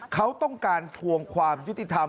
เขาต้องการทวงความยุติธรรม